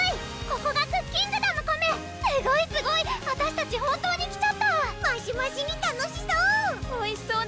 ここがクッキングダムコメすごいすごいあたしたち本当に来ちゃったマシマシに楽しそう！